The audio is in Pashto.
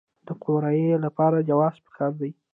د قوریې لپاره جواز پکار دی؟